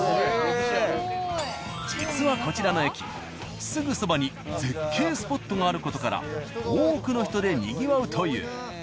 実はこちらの駅すぐそばに絶景スポットがある事から多くの人でにぎわうという。